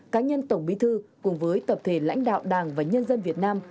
cá nhân tổng bí thư cùng với tập thể lãnh đạo đảng và nhân dân việt nam